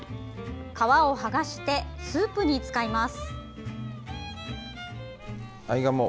皮を剥がしてスープに使います。